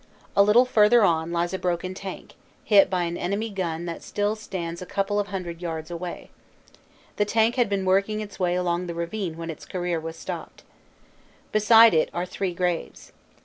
A little further on lies a broken tank, hit by an enemy gun that still stands a couple of hundred yards away. The tank had been working its way along the ravine when its career was stopped. Beside it are three graves.